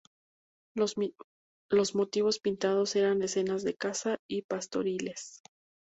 Los motivos pintados eran escenas de caza y pastoriles.